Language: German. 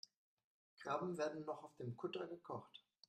Krabben werden noch auf dem Kutter gekocht.